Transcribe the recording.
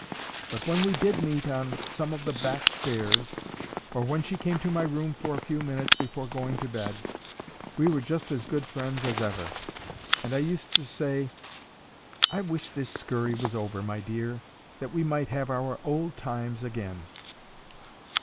But when we did meet on some of the back stairs, or when she came to my room for a few minutes before going to bed, we were just as good friends as ever. And I used to say, "I wish this scurry was over, my dear, that we might have our old times again."